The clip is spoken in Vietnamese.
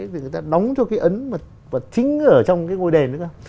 để người ta đóng cho cái ấn chính ở trong ngôi đền